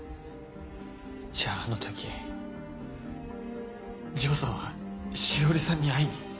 じゃああの時丈さんは詩織さんに会いに？